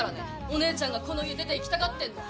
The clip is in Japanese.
お姉ちゃんが、この家出て行きたがってるの。